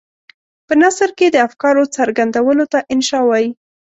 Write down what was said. په نثر کې د افکارو څرګندولو ته انشأ وايي.